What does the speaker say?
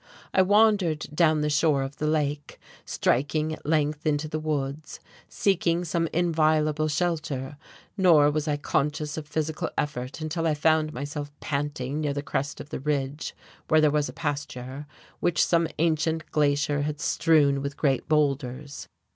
I wandered down the shore of the lake, striking at length into the woods, seeking some inviolable shelter; nor was I conscious of physical effort until I found myself panting near the crest of the ridge where there was a pasture, which some ancient glacier had strewn with great boulders.